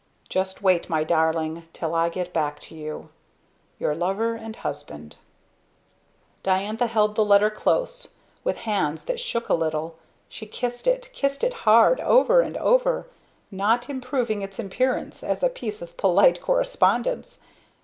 Just wait, My Darling, till I get back to you! "Your Lover and Husband." Diantha held the letter close, with hands that shook a little. She kissed it kissed it hard, over and over not improving its appearance as a piece of polite correspondence.